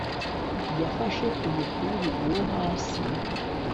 yafashe umukungugu wo hasi